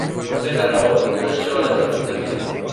Potser té raó i tot això és una fantasia.